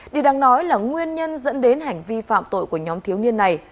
điều đáng nói là nguyên nhân dẫn đến hành vi phạm tội của nhóm thiếu niên này